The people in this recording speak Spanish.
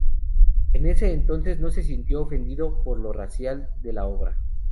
En ese entonces no se sintió ofendido por lo racial de la obra.